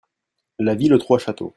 La ville aux trois châteaux.